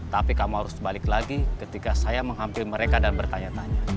tapi kamu harus balik lagi ketika saya menghampiri mereka dan bertanya tanya